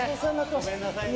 ごめんなさいね。